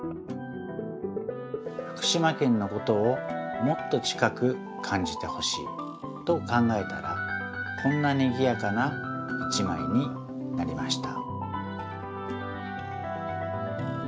福島県のことをもっと近くかんじてほしいと考えたらこんなにぎやかな一まいになりました。